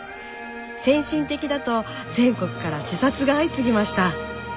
先進的だと全国から視察が相次ぎました。